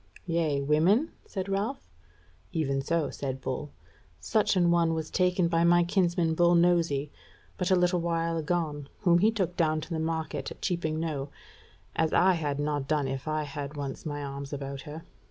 "Yea, women?" said Ralph. "Even so," said Bull, "such an one was taken by my kinsman Bull Nosy but a little while agone, whom he took down to the market at Cheaping Knowe, as I had not done if I had once my arms about her.